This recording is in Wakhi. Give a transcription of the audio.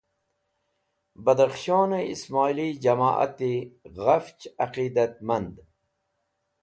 Badakhshone Ismoili Jamoat e ghafch Aqidatmand